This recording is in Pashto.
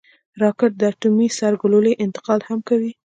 راکټ د اټومي سرګلولې انتقال هم کوي